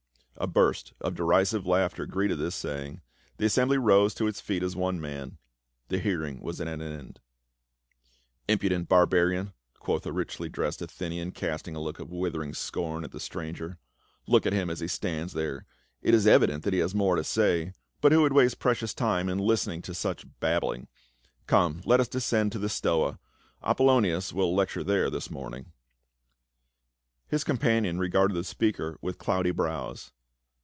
A burst of derisive laughter greeted thus saying. The assembly arose to its feet as one man ; the hear ing was at an end. "Impudent barbarian!" quoth a richly dressed * A translation from a careful comparison of various texts and readings by eminent authorities. 340 PA UL. Athenian, casting a look of withering scorn at the stranger. " Look at him as he stands there ; it is evident that he has more to say, but who would waste precious time in listening to such babbling ? Come, let us descend to the Stoa ; Apolonias will lecture there this morning." His companion regarded the speaker with cloudy brows.